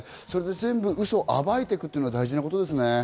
それでウソを全部暴いていくのは大事なことですよね。